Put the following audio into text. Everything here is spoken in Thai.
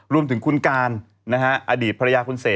รวมถึงคุณการอดีตภรรยาคุณเสก